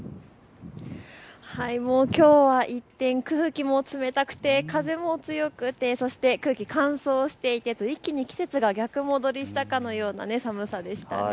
もうきょうは一転空気も冷たくて風も強くてそして空気乾燥していて一気に季節が逆戻りしたかのような寒さでした。